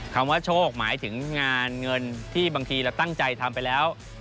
คำว่าโชคหมายถึงงานเงินที่บางทีเราตั้งใจทำไปแล้ว